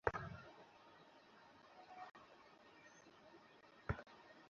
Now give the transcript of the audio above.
আমাদের অই বাযুকাগুলোর বন্দোবস্ত করতে হবে আগে!